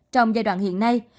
trong giai đoạn hiện nay